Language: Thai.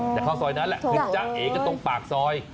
แต่เข้าซอยนั้นแหละถึงจะเอกตรงปากซอย